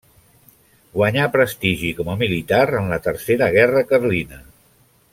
Guanyà prestigi com a militar en la Tercera Guerra Carlina.